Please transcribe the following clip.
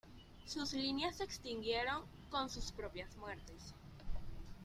Sus líneas se extinguieron con sus propias muertes.